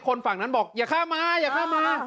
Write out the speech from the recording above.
ฝั่งนั้นบอกอย่าข้ามมาอย่าข้ามมา